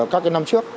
các cái năm trước